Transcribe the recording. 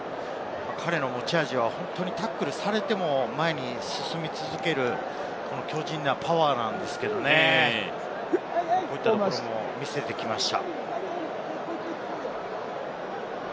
彼の持ち味はタックルされても前に進み続ける強靭なパワーなんですけれど、こういったところも見せてきました。